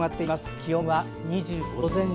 気温は２５度前後。